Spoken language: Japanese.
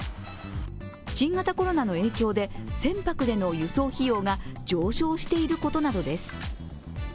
新型コロナの影響で船舶での輸送費用が上昇していることなどです。